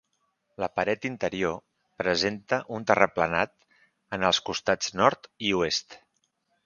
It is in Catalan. La paret interior presenta un terraplenat en els costats nord i oest.